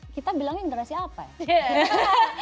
kita bilangnya generasi apa ya